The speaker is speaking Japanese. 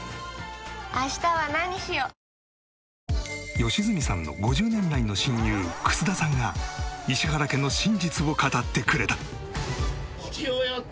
良純さんの５０年来の親友楠田さんが石原家の真実を語ってくれた。